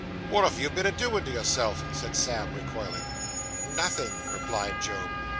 'Wot have you been a doin' to yourself?' said Sam, recoiling. 'Nothing,' replied Job.